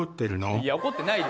いや怒ってないですよ。